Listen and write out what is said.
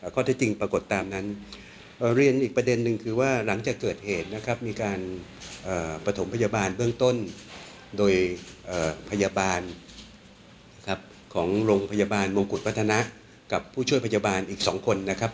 ข้อที่จริงปรากฏตามนั้นเรียนอีกประเด็นนึงคือว่าหลังจากเกิดเหตุนะครับมีการประถมพยาบาลเบื้องต้นโดยพยาบาลนะครับของโรงพยาบาลมงกุฎวัฒนะกับผู้ช่วยพยาบาลอีก๒คนนะครับ